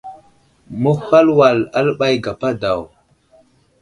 Mehwal wal aləɓay gapa daw.